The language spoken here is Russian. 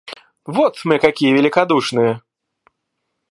Вот мы какие великодушные!